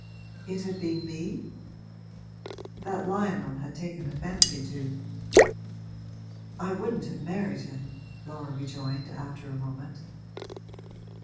'It had been me?' 'That Lionel had taken a fancy to.' 'I wouldn't have married him,' Laura rejoined, after a moment.